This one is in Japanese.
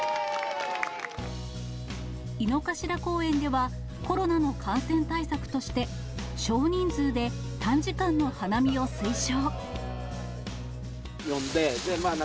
井の頭公園では、コロナの感染対策として、少人数で短時間の花見を推奨。